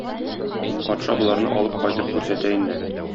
Патша боларны алып кайтып күрсәтә инде.